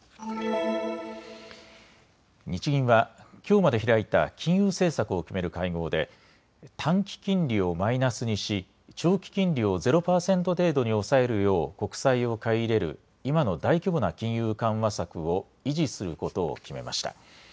日銀はきょうまで開いた金融政策を決める会合で短期金利をマイナスにし長期金利をゼロ％程度に抑えるよう国債を買い入れる今の大規模な金融緩和策を維持することを決めました。